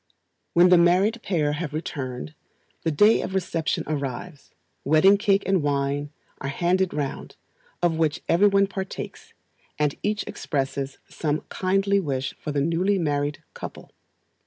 When the married pair have returned, and the day of reception arrives, wedding cake and wine are handed round, of which every one partakes, and each expresses some kindly wish for the newly married couple.